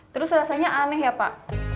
terus rasanya aneh ya pak